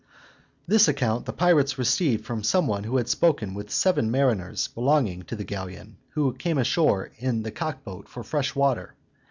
This account the pirates received from some one who had spoken with seven mariners belonging to the galleon, who came ashore in the cockboat for fresh water.